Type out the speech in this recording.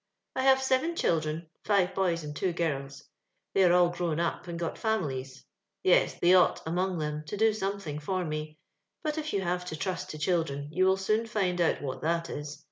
" i have seven children, five boys and two Kirls; they are all grown up and got families. Yes, they ought, omongst them, to do some thinj? for me; but if you have to trust to children, you will soon find out what that is.